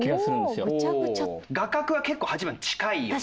画角は結構８番近いよね。